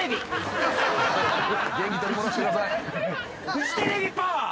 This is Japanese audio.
フジテレビパワー。